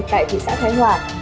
tại thị xã thái hòa